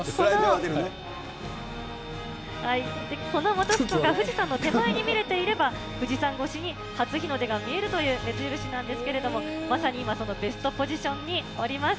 この本栖湖が富士山の手前に見えていれば、富士山越しに初日の出が見えるという目印なんですけれども、まさに今、そのベストポジションにおります。